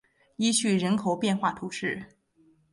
伊叙人口变化图示